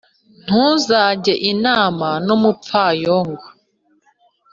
Ntuzajye inama n’umupfayongo,